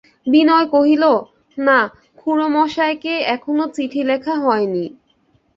বিনয় কহিল, না, খুড়োমশায়কে এখনো চিঠি লেখা হয় নি।